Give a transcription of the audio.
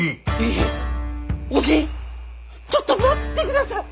いやおじぃちょっと待ってください。